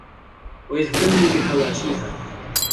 وَيَهْتَمُّ بِحَوَاشِيهَا